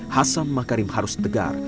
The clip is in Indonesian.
hasan makarim harus tegar